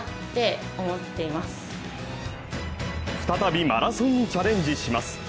再びマラソンにチャレンジします。